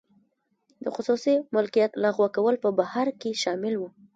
د خصوصي مالکیت لغوه کول په بهیر کې شامل و.